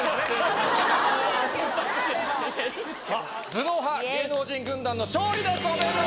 頭脳派芸能人軍団の勝利です！